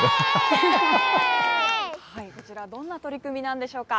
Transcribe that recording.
こちら、どんな取り組みなんでしょうか。